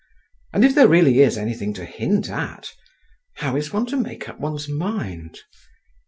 And if there really is anything to hint at … how is one to make up one's mind?